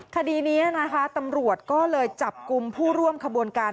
คดีนี้นะคะตำรวจก็เลยจับกลุ่มผู้ร่วมขบวนการ